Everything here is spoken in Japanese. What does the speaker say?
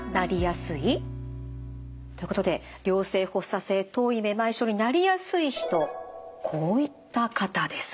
ということで良性発作性頭位めまい症になりやすい人こういった方です。